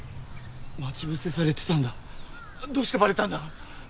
待ち伏せされてたんだどうしてバレたんだ！？